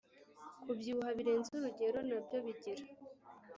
kubyibuha birenze urugero nabyo bigira